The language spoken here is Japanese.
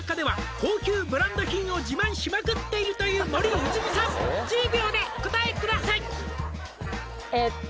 「高級ブランド品を自慢しまくっているという森泉さん」「１０秒でお答えください」えっと